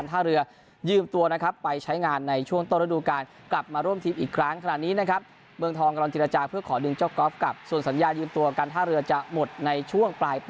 แต่รายของสุพรรณยังมีสัญญากับต้นสำกัดนะครับ